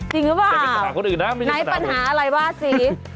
จริงหรือเปล่าไหนปัญหาอะไรบ้าสิจะเป็นปัญหาคนอื่นนะ